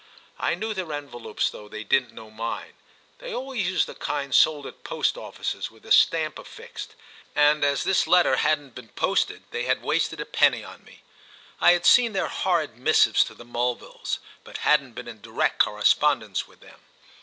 I knew their envelopes though they didn't know mine. They always used the kind sold at post offices with the stamp affixed, and as this letter hadn't been posted they had wasted a penny on me. I had seen their horrid missives to the Mulvilles, but hadn't been in direct correspondence with them.